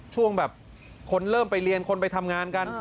ช่วงแบบคนเริ่มไปเรียนคนไปทำงานกัน